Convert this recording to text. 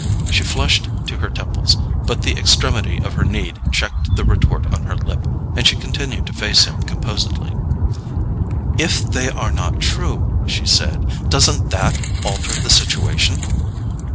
She flushed to her temples, but the extremity of her need checked the retort on her lip and she continued to face him composedly. "If they are not true," she said, "doesn't THAT alter the situation?"